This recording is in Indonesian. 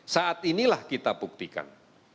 saat inilah kita buktikan